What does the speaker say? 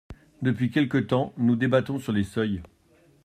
Depuis quelque temps, nous débattons sur les seuils.